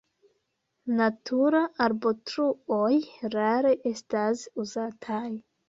Natura arbotruoj rare estas uzataj.